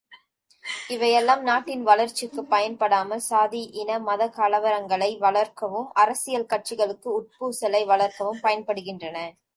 இவையெல்லாம் நாட்டின் வளர்ச்சிக்குப் பயன்படாமல் சாதி, இன, மதக் கலவரங்களை வளர்க்கவும் அரசியல் கட்சிகளுக்குள் உட்பூசலை வளர்க்கவும் பயன்படுகின்றன!